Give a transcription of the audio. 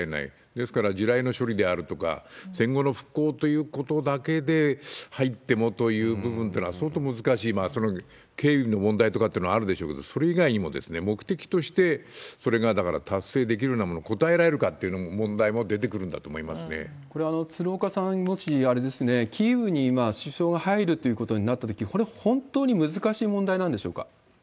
ですから、地雷の処理であるとか、戦後の復興ということだけで入ってもという部分っていうのは相当難しい、その警備の問題というのもあるでしょうけど、それ以外にも、目的としてそれが達成できるのも応えられるかというのも、問題もこれは鶴岡さん、もし、キーウに首相が入るということになったとき、これ本当に難しい問題なんでしょうか。